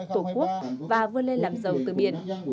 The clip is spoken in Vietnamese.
tổ quốc và vươn lên làm giàu từ biển